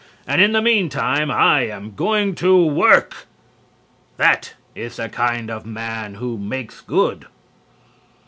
And in the mean time I am going to WORK!' "That is the kind of man who makes good."